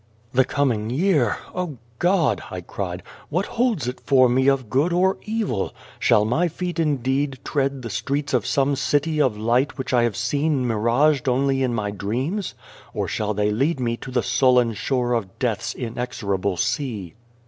4 'The coming year! O God!" I cried, "what holds it for me of good or evil? Shall my feet indeed tread the streets of some city of light which I have seen miraged only in my dreams ? or shall they lead me to the sullen shore of Death's in exorable sea?"